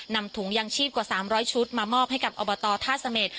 นำถุงยางชีพกว่า๓๐๐ชุดมามอบให้กับอบตท่าเสม็ด